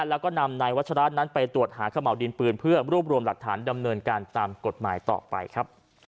แล้วก็นำนายวัชราชนั้นไปตรวจหาขม่าวดินปืนเพื่อรวบรวมหลักฐานดำเนินการตามกฎหมายต่อไปครับ